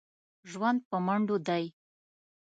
ژوند په منډو دی.